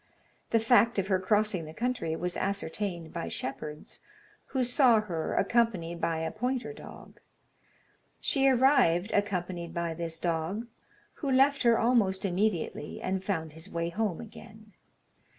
The fact of her crossing the country was ascertained by shepherds, who saw her, accompanied by a pointer dog. She arrived, accompanied by this dog, who left her almost immediately, and found his way home again.